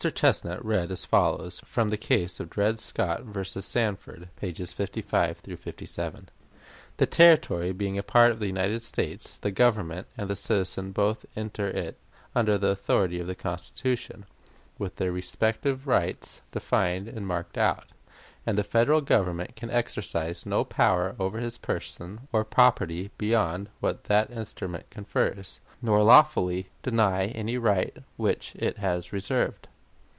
Chesnut read as follows, from the case of Dred Scott vs. Sandford, pp. 55 57: "The Territory being a part of the United States, the Government and the citizen both enter it under the authority of the Constitution, with their respective rights defined and marked out; and the Federal Government can exercise no power over his person or property beyond what that instrument confers, nor lawfully deny any right which it has reserved....